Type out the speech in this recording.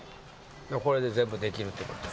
これで全部できるってことや。